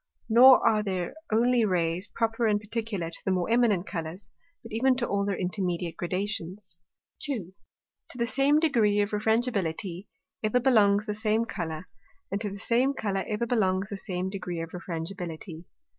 Nor are there only Rays proper and particular to the more eminent Colours, but even to all their intermediate Gradations. 2. To the same degree of Refrangibility ever belongs the same Colour, and to the same Colour ever belongs the same degree of Refrangibility.